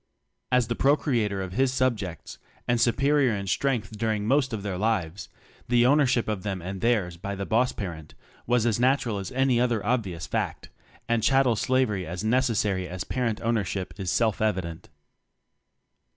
As the procreator of his subjects and superior in strength during most of their lives the "ownership" of them and theirs by the boss parent was as "natural" as any other obvious fact; and chattel slavery as necessary as parent ownership is self evident.